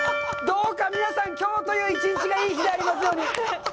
どうか、皆さん、きょうという一日がいい日でありますように。